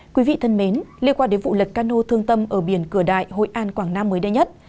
quý vị thân mến liên quan đến vụ lật cano thương tâm ở biển cửa đại hội an quảng nam mới đây nhất